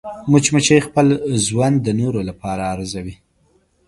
مچمچۍ خپل ژوند د نورو لپاره ارزوي